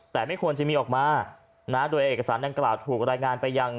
แต่ไม่ควรจะมีออกมานะโดยเอกสารดังกล่าวถูกรายงานไปยัง